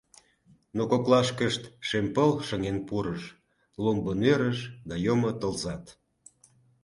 Но коклашкышт шем пыл шыҥен пурыш, ломбо нӧрыш да йомо тылзат.